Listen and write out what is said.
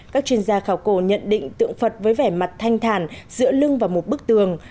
các chuyên gia khảo cổ nhận định tượng phật với vẻ mặt thanh thản giữa lưng và một bức tường